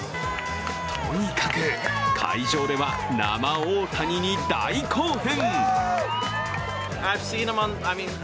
とにかく会場では生オオタニに大興奮。